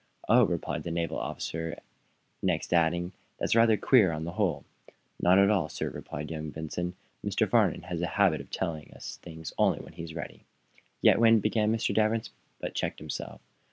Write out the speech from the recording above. "Oh!" replied the naval officer, next adding: "That's rather queer on the whole." "Not at all, sir," replied young Benson. "Mr. Farnum has a habit of telling us things only when he's ready." "Yet when " began Danvers, but checked himself.